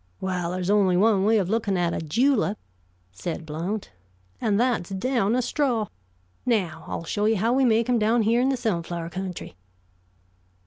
"Well, there's only one way of looking at a julep," said Blount, "and that's down a straw. Now, I'll show you how we make them down here in the Sunflower country.